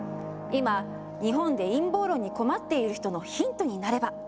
今日本で陰謀論に困っている人のヒントになれば！